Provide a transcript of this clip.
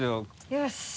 よし。